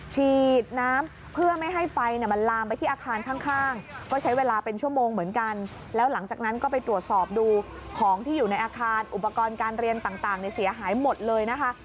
ฉีดน้ำเพื่อไม่ให้ไฟมันลามไปที่อาคารข้างก็ใช้เวลาเป็นชั่วโมงเหมือนกันแล้วหลังจากนั้นก็ไปตรวจสอบดูของที่อยู่ในอาคารอุปกรณ์การเรียนต่างเสียหายหมดเลยนะคะ